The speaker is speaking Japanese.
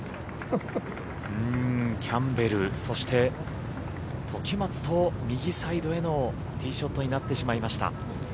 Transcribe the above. キャンベル、そして時松と右サイドへのティーショットになってしまいました。